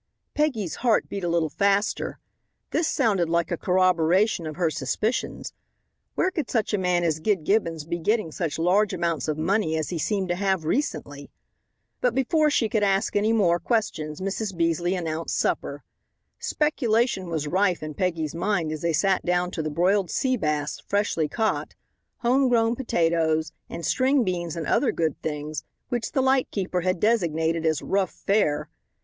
Peggy's heart beat a little faster. This sounded like a corroboration of her suspicions. Where could such a man as Gid Gibbons be getting such large amounts of money as he seemed to have recently? But before she could ask any more questions Mrs. Beasley announced supper. Speculation was rife in Peggy's mind as they sat down to the broiled sea bass, freshly caught, home grown potatoes and string beans and other good things which the light keeper had designated as "rough fare."